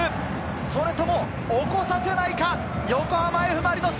それとも起こさせないか、横浜Ｆ・マリノス。